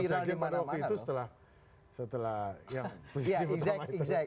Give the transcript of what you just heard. dan saya di interview itu setelah yang posisi pertama itu